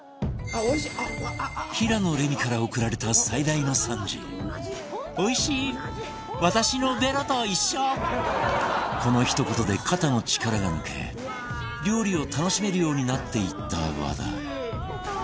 平野レミから送られた最大の賛辞このひと言で肩の力が抜け料理を楽しめるようになっていった和田